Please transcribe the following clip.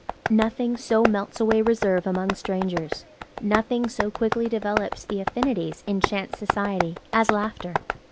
Nothing so melts away reserve among strangers, nothing so quickly develops the affinities in chance society, as laughter.